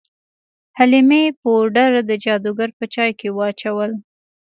حلیمې پوډر د جادوګر په چای کې واچول.